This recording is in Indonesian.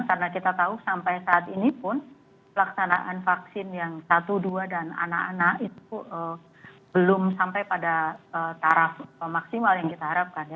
karena kita tahu sampai saat ini pun pelaksanaan vaksin yang satu dua dan anak anak itu belum sampai pada taraf maksimal yang kita harapkan